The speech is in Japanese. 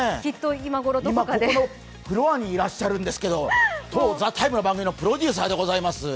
今、ここのフロアにいらっしゃるんですけど、「ＴＨＥＴＩＭＥ，」のプロデューサーです。